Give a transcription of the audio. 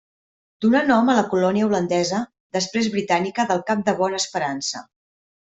Donà nom a la colònia holandesa i després britànica del Cap de Bona Esperança.